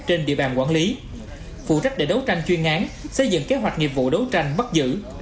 trên địa bàn quản lý phụ trách để đấu tranh chuyên án xây dựng kế hoạch nghiệp vụ đấu tranh bắt giữ